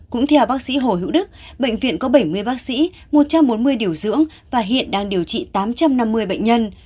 cũng theo bác sĩ hồ hữu đức bệnh viện có bảy mươi bác sĩ một trăm bốn mươi điều dưỡng và hiện đang điều trị tám trăm năm mươi bệnh nhân